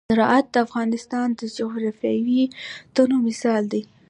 زراعت د افغانستان د جغرافیوي تنوع مثال دی.